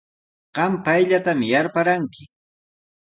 Qam payllatami yarparanki.